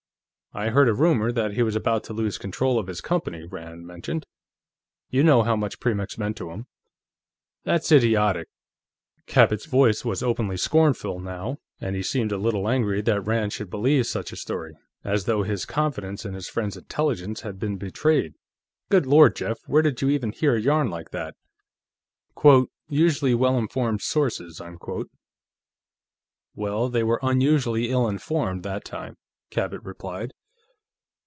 "I heard a rumor that he was about to lose control of his company," Rand mentioned. "You know how much Premix meant to him." "That's idiotic!" Cabot's voice was openly scornful, now, and he seemed a little angry that Rand should believe such a story, as though his confidence in his friend's intelligence had been betrayed. "Good Lord, Jeff, where did you ever hear a yarn like that?" "Quote, usually well informed sources, unquote." "Well, they were unusually ill informed, that time," Cabot replied.